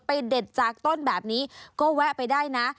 เด็ดจากต้นแบบนี้ก็แวะไปได้นะ